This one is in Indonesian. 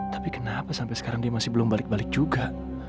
tapi kenapa sampai sekarang dia masih belum balik balik juga